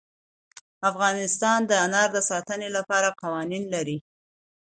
افغانستان د انار د ساتنې لپاره قوانین لري.